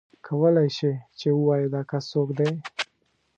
کولای شې چې ووایې دا کس څوک دی.